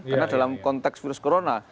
karena dalam konteks virus corona